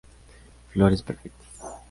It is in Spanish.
Flores perfectas.